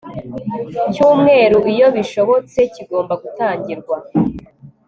cyumweru iyo bishobotse kigomba gutangirwa